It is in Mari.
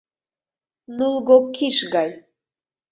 Нулго киш гай.